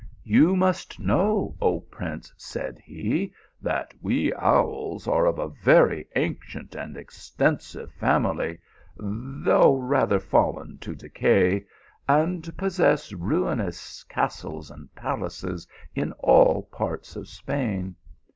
" You must know, O prince," said he, " that we owls are of a very ancient and extensive family, though rather fallen to decay, and possess ruinous castles and palaces in all parts of Spain.